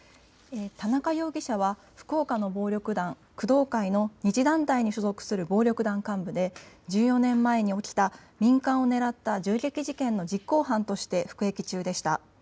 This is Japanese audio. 田中容疑者は福岡の暴力団、工藤会の２次団体に所属する暴力団幹部で１４年前に起きた民間を狙った銃撃事件の実行犯として服役中でした。